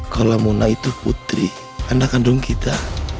kalau mona itu putri anak kandung kita